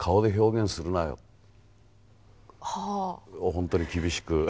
本当に厳しく。